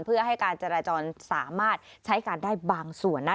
เพื่อให้การจราจรสามารถใช้การได้บางส่วนนะ